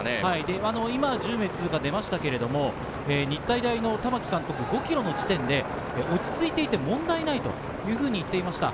今、１０名通過出ましたが、日体大の玉城監督、５ｋｍの時点で落ち着いていて問題ないというふうに言っていました。